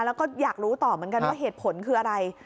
แล้วก็อยากรู้ต่อเหมือนกันว่าเหตุผลคืออะไร